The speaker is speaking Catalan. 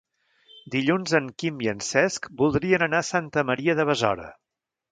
Dilluns en Quim i en Cesc voldrien anar a Santa Maria de Besora.